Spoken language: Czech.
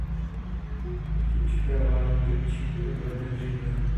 Proti očekávání tak činí o dva dny dříve.